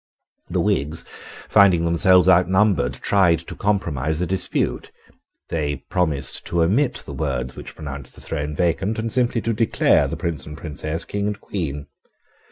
The Whigs, finding themselves outnumbered, tried to compromise the dispute. They proposed to omit the words which pronounced the throne vacant, and simply to declare the Prince and Princess King and Queen.